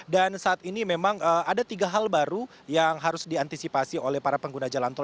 dan saat ini memang ada tiga hal baru yang harus diantisipasi oleh para pengguna jalan tol